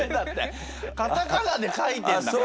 カタカナで書いてんだから。